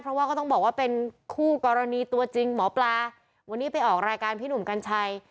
เพราะว่าก็ต้องบอกว่าเป็นคู่กรณีตัวจริงหมอปลาวันนี้ไปออกรายการพี่หนุ่มกัญชัย